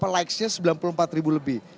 likesnya sembilan puluh empat ribu lebih